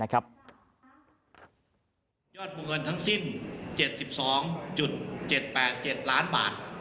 ยอดวงเงินทั้งสิ้น๗๒๗๘๗ล้านบาท